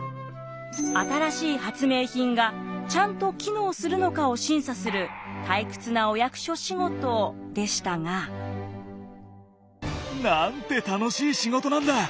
新しい発明品がちゃんと機能するのかを審査する退屈なお役所仕事でしたが。なんて楽しい仕事なんだ！